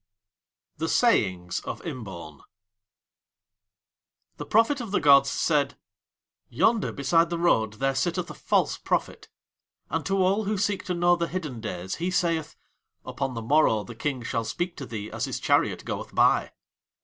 "' THE SAYINGS OF IMBAUN The Prophet of the gods said: "Yonder beside the road there sitteth a false prophet; and to all who seek to know the hidden days he saith: 'Upon the morrow the King shall speak to thee as his chariot goeth by.'"